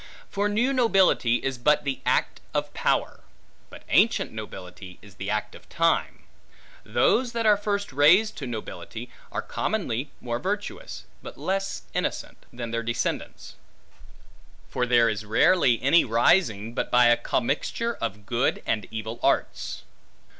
For new nobility is but the act of power, but ancient nobility is the act of time. Those that are first raised to nobility, are commonly more virtuous, but less innocent, than their descendants; for there is rarely any rising, but by a commixture of good and evil arts.